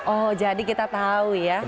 oh jadi kita tahu ya